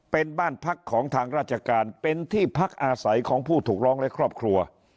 เป็นบ้านพักของทางราชการเป็นที่พักอาศัยของผู้ถูกร้องและครอบครัว